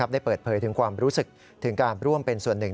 ได้เปิดเผยถึงความรู้สึกถึงการร่วมเป็นส่วนหนึ่ง